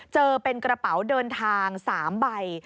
เจอเป็นกระเป๋าเดินทาง๓ใบ